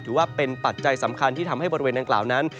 ถือว่าเป็นปัจจัยสำคัญที่ทำให้บริเวณนั้นกล่าวนั้น